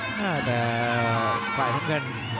หน้าแดดควายเท้าเงิน